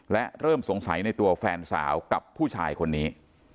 และเริ่มสงสัยในตัวแฟนสาวกับผู้ชายคนนี้